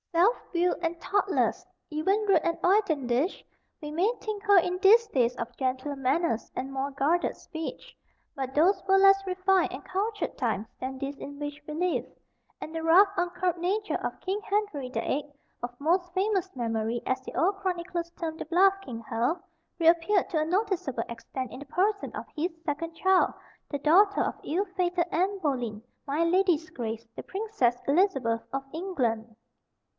Self willed and thoughtless even rude and hoydenish we may think her in these days of gentler manners and more guarded speech. But those were less refined and cultured times than these in which we live; and the rough, uncurbed nature of "Kinge Henrye the viii. of Most Famous Memorye," as the old chronicles term the "bluff King Hal," reappeared to a noticeable extent in the person of his second child, the daughter of ill fated Anne Boleyn "my ladye's grace" the Princess Elizabeth of England.